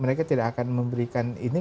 mereka tidak akan memberikan ini